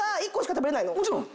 もちろん。